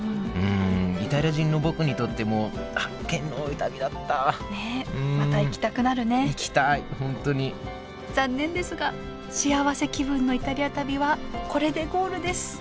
イタリア人の僕にとっても発見の多い旅だったまた行きたくなるね行きたい本当に残念ですが「しあわせ気分のイタリア旅」はこれでゴールです。